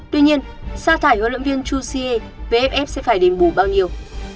tuy nhiên xa thải huấn luyện viên chu xie vff sẽ phải đền bù bao nhiêu